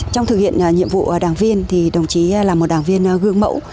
trong thực hiện nhiệm vụ đảng viên thì đồng chí là một đảng viên gương mẫu